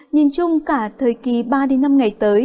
nhìn chung cả thời kỳ ba năm ngày tới